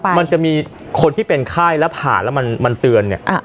มันจะมีคนที่เป็นไข้แล้วผ่าแล้วมันเตือนเนี่ย